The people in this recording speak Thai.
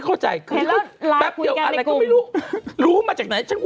ถ้าพี่รู้มาจากไหน